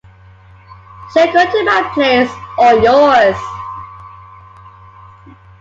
Shall we go to my place or yours.